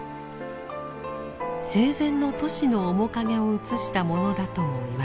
生前のトシの面影を写したものだともいわれています。